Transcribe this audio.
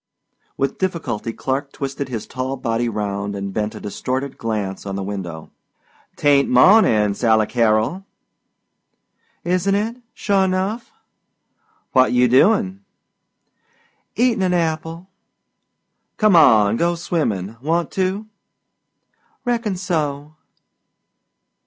With difficulty Clark twisted his tall body round and bent a distorted glance on the window. "Tain't mawnin', Sally Carrol." "Isn't it, sure enough?" "What you doin'?" "Eatin' 'n apple." "Come on go swimmin' want to?" "Reckon so."